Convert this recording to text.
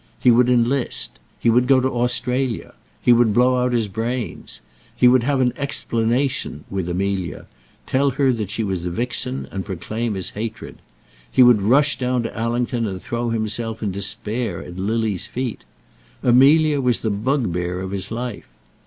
He would enlist. He would go to Australia. He would blow out his brains. He would have "an explanation" with Amelia, tell her that she was a vixen, and proclaim his hatred. He would rush down to Allington and throw himself in despair at Lily's feet. Amelia was the bugbear of his life.